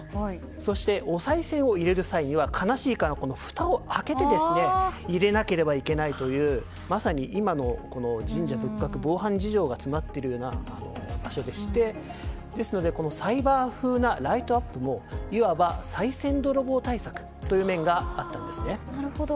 そして、おさい銭を入れる際には悲しいかなふたを開けて入れなければいけないというまさに今の神社仏閣の防犯事情が詰まっているような場所でしてですのでサイバー風なライトアップもいわばさい銭泥棒対策という面があったんですね。